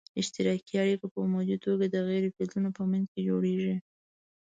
اشتراکي اړیکي په عمومي توګه د غیر فلزونو په منځ کې جوړیږي.